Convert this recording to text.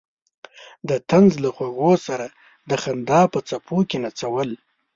د طنز له خوږو سره د خندا په څپو کې نڅول.